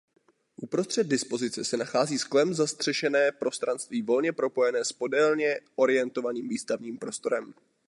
Uprostřed dispozice se nachází sklem zastřešené prostranství volně propojené s podélně orientovaným výstavním prostorem.